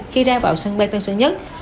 khi ra vào sân bay tân sơn nhất